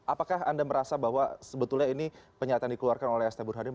apakah anda merasa bahwa sebetulnya ini penyakit yang dikeluarkan oleh astagfirullahaladzim